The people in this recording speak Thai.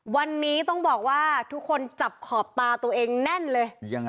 วันนี้ต้องบอกว่าทุกคนจับขอบตาตัวเองแน่นเลยยังไง